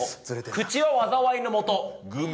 口は災いのもと。